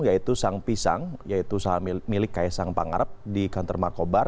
yaitu sang pisang yaitu saham milik kaisang pangarep di kantor markobar